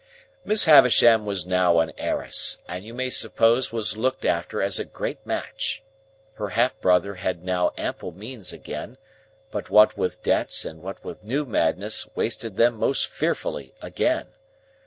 "Miss Havisham was now an heiress, and you may suppose was looked after as a great match. Her half brother had now ample means again, but what with debts and what with new madness wasted them most fearfully again.